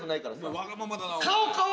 わがままだなお前。